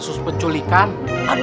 siap satu komandan